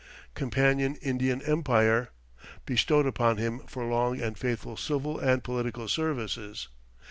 (Companion Indian Empire), bestowed upon him for long and faithful civil and political services.